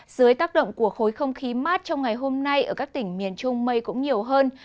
dưới tác động của khối không khí mát trong ngày hôm nay ở các tỉnh miền trung mây cũng nhiều hơn